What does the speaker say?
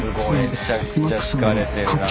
めちゃくちゃ疲れてる中。